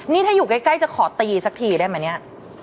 นี่ถ้าอยู่ใกล้จะขอตีสักทีได้ไหมเนี่ย